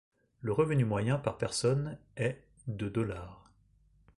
Le revenu moyen par personne est de dollars.